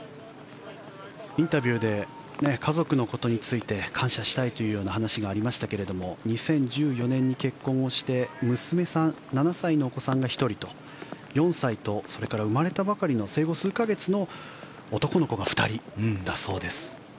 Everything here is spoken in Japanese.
インタビューで家族のことについて感謝したいという話がありましたが２０１４年に結婚をして娘さん７歳のお子さんが１人と、４歳とそれから生まれたばかりの生後数か月の男の子が２人だそうです。